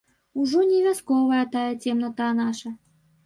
Ужо не вясковая тая цемната наша!